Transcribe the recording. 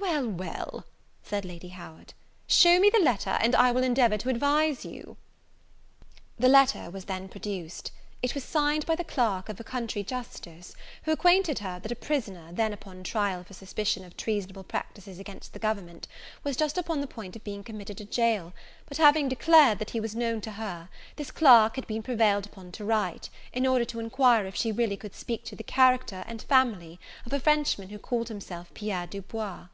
"Well, well," said Lady Howard, "shew me the letter, and I will endeavour to advise you." The letter was then produced. It was signed by the clerk of a country justice; who acquainted her, that a prisoner, then upon trial for suspicion of treasonable practices against the government, was just upon the point of being committed to jail; but having declared that he was known to her, this clerk had been prevailed upon to write, in order to enquire if she really could speak to the character and family of a Frenchman who called himself Pierre Du Bois.